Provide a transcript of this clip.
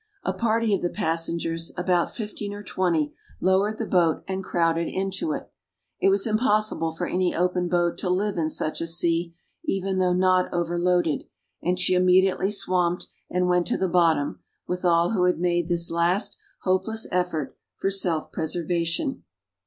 A party of the passengers, about fifteen or twenty, lowered the boat and crowded into it. It was impossible for any open boat to live in such a sea, even though not overloaded, and she immediately swamped and went to the bottom, with all who had made this last hopeless effort for self preservation.